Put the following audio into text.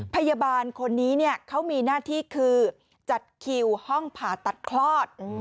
พยาบาลคนนี้เขามีหน้าที่คือจัดคิวห้องผ่าตัดคลอด